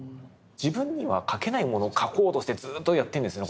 自分には描けないものを描こうとしてずっとやってるんですよね